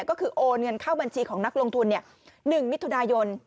ก็คือโอนเงินเข้าบัญชีของนักลงทุน๑มิถุนายน